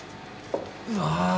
うわ！